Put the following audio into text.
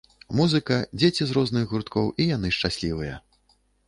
Музыка, дзеці з розных гурткоў, і яны шчаслівыя.